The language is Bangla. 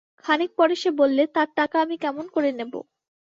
খানিক পরে সে বললে, তাঁর টাকা আমি কেমন করে নেব?